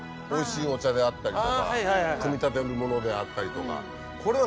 おいしいお茶であったりとか組み立てるものであったりとか。